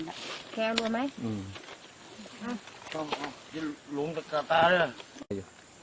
ไอ้เที่ยวนี่แหละตรงนี้แต่ถึงวันนั้นอีกหน่อย